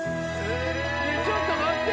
ちょっと待って！